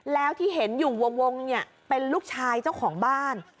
แล้วที่เห็นอยู่วงเนี่ยเป็นลูกชายเจ้าของบ้าน